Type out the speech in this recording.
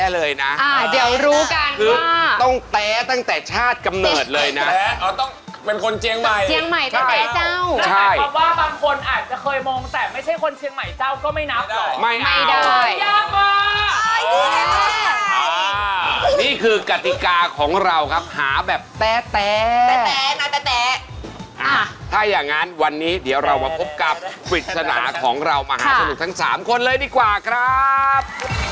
แล้วอย่างงั้นวันนี้เรามาพบกับฝีดสนาของเรามหาสนุกทั้ง๓คนเลยดีกว่าครับ